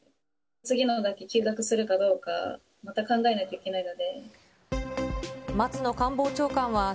次の学期、休学するかどうか、また考えないといけないので。